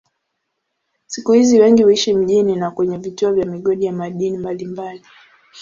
Siku hizi wengi huishi mjini na kwenye vituo vya migodi ya madini mbalimbali.